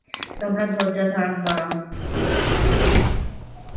তোমরা ধৈর্য ধারণ কর।